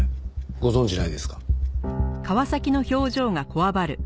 ご存じないですか？